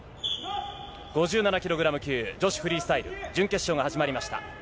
５７キログラム級女子フリースタイル準決勝が始まりました。